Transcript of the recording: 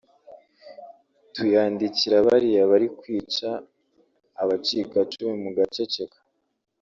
tuyandikira bariya bari kwica abacikacumu mugaceceka